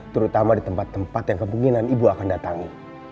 terutama di tempat tempat yang kemungkinan ibu akan datangi